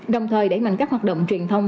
đồng thời đẩy mạnh các hoạt động truyền thông